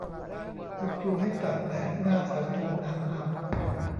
คุณครูให้ตากแดดหน้าเสาธงนานมาก